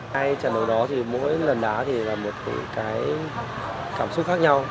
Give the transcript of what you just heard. hai trận đấu đó thì mỗi lần đá thì là một cái cảm xúc khác nhau